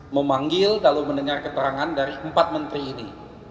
memanggil lalu mendengar keterangan dari empat menteri ini